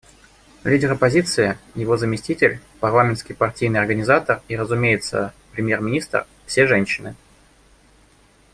Лидер оппозиции, его заместитель, парламентский партийный организатор и, разумеется, премьер-министр — все женщины.